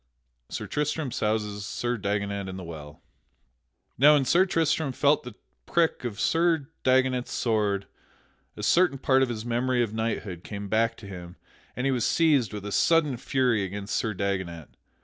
[Sidenote: Sir Tristram souses Sir Dagonet in the well] Now when Sir Tristram felt the prick of Sir Dagonet's sword, a certain part of his memory of knighthood came back to him and he was seized with a sudden fury against Sir Dagonet.